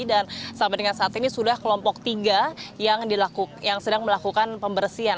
dan sampai dengan saat ini sudah kelompok tiga yang sedang melakukan pembersihan